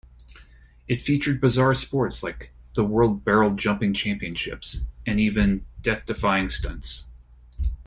It featured bizarre sports like the World Barrel Jumping Championships, and even death-defying stunts.